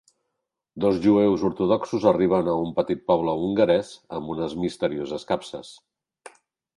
Dos jueus ortodoxos arriben a un petit poble hongarès amb unes misterioses capses.